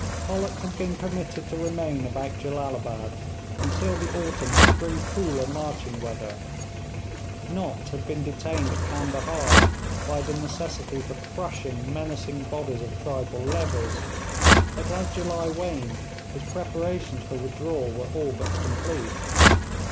Pollock had been permitted to remain about Jellalabad until the autumn should bring cooler marching weather. Nott had been detained at Candahar by the necessity for crushing menacing bodies of tribal levies, but as July waned his preparations for withdrawal were all but complete.